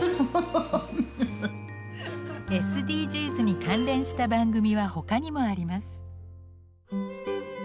ＳＤＧｓに関連した番組は他にもあります。